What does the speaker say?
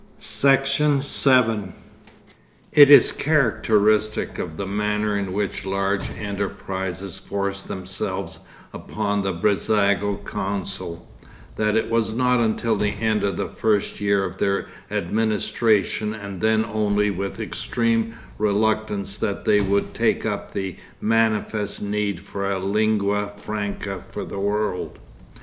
Section 6 It is characteristic of the manner in which large enterprises forced themselves upon the Brissago council, that it was not until the end of the first year of their administration and then only with extreme reluctance that they would take up the manifest need for a lingua franca for the world.